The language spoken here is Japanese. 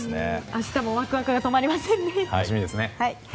明日もワクワクが止まりませんね。